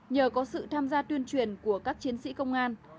nhờ có sự tham gia tuyên truyền của các chiến sĩ công an